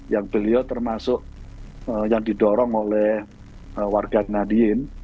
yang beliau termasuk yang didorong oleh warga nahdien